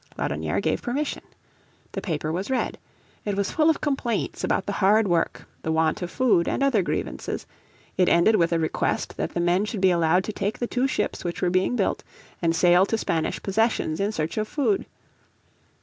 Laudonnière gave permission. The paper was read. It was full of complaints about the hard work, the want of food, and other grievances. It ended with a request that the men should be allowed to take the two ships which were being built and sail to Spanish possessions in search of food.